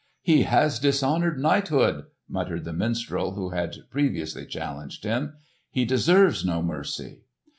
"He has dishonoured knighthood!" muttered the minstrel who had previously challenged him. "He deserves no mercy."